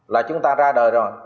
là chúng ta ra đời rồi